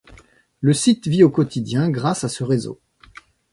Le site vit au quotidien grâce à ce réseau.